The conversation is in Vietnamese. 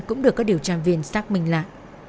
cũng được các điều tra viên xác minh lại